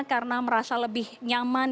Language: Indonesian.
karena merasa lebih nyaman